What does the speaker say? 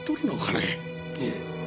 いえ。